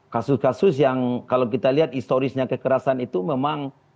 kasus kasus yang kalau kita lihat historisnya kekerasan itu memang